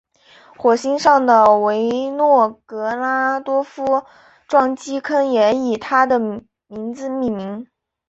火星上的维诺格拉多夫撞击坑也以他的名字命名。